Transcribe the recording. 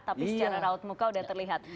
tapi secara raut muka sudah terlihat